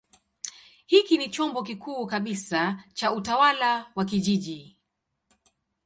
Hiki ni chombo kikuu kabisa cha utawala wa kijiji.